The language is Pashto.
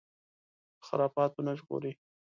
له خرافاتو نه ژغوري